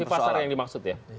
itu operasi pasar yang dimaksud ya